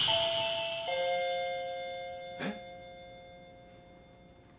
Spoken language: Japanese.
えっ？